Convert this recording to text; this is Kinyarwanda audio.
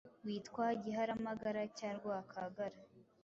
witwa Giharamagara cya Rwakagara